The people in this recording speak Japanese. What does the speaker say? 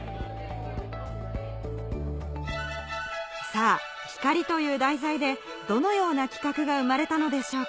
さぁ「光」という題材でどのような企画が生まれたのでしょうか？